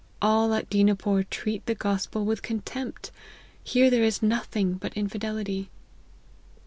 All at Dinapore treat the gospel with contempt ; here there is nothing but infidelity."